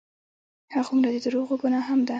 هغومره د دروغو ګناه هم ده.